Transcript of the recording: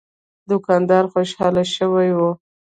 دوکاندار خوشاله شوی و.